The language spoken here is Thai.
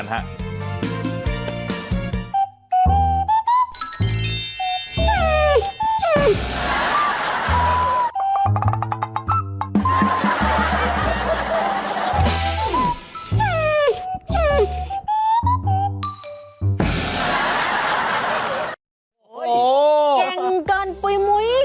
โอ้ยแกงเกินปุ๊ยมุย